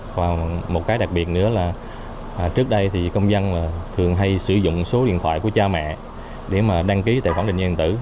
còn một cái đặc biệt nữa là trước đây thì công dân thường hay sử dụng số điện thoại của cha mẹ để mà đăng ký tài khoản định danh điện tử